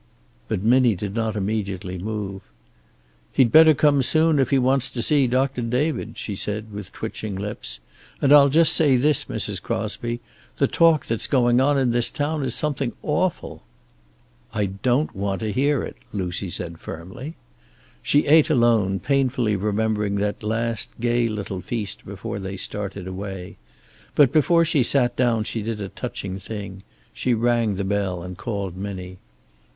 But Minnie did not immediately move. "He'd better come soon if he wants to see Doctor David," she said, with twitching lips. "And I'll just say this, Mrs. Crosby. The talk that's going on in this town is something awful." "I don't want to hear it," Lucy said firmly. She ate alone, painfully remembering that last gay little feast before they started away. But before she sat down she did a touching thing. She rang the bell and called Minnie.